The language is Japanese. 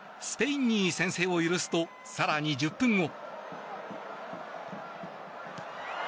スペインに先制を許すと更に１０分後。